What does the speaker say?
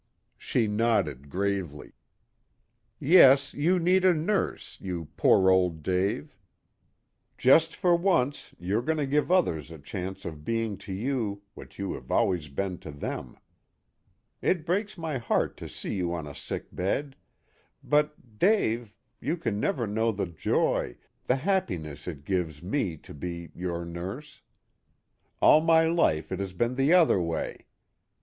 She nodded gravely. "Yes, you need a nurse, you poor old Dave. Just for once you're going to give others a chance of being to you what you have always been to them. It breaks my heart to see you on a sickbed; but, Dave, you can never know the joy, the happiness it gives me to be your nurse. All my life it has been the other way.